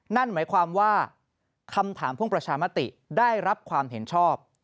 นั่นหมายความว่าคำถามพ่วงประชามติได้รับความเห็นชอบ